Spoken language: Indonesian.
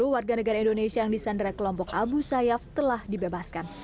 sepuluh warga negara indonesia yang disandera kelompok abu sayyaf telah dibebaskan